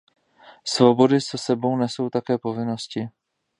Svobody s sebou nesou také povinnosti.